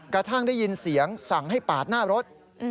กระทั่งได้ยินเสียงสั่งให้ปาดหน้ารถ